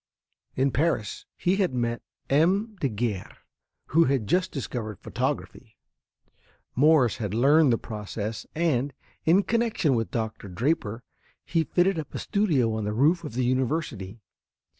In Paris he had met M. Daguerre, who had just discovered photography. Morse had learned the process and, in connection with Doctor Draper, he fitted up a studio on the roof of the university.